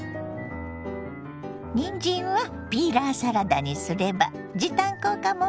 にんじんはピーラーサラダにすれば時短効果もバツグン！